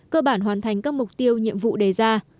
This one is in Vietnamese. cơ bản hoàn thành các mục tiêu nhiệm vụ đề ra